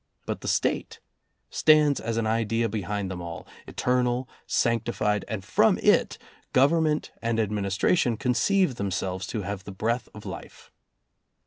But the State stands as an idea behind them all, eternal, sanctified, and from it Government and Administration conceive themselves to have the breath of life.